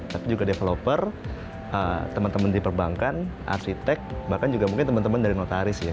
tapi juga developer temen temen di perbankan arsitek bahkan juga mungkin temen temen dari notaris ya